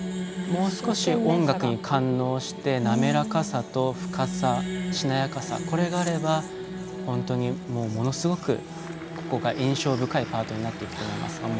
もう少し、音楽に感応して滑らかさと、深さしなやかさがあればものすごくここが印象深いパートになっていくと思います。